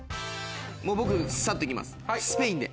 もう僕サッと行きますスペインで。